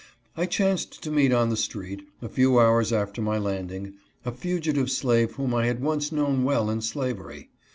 I chanced to meet on the street, a few hours after my landing, a fugitive slave whom I had once known well in slavery.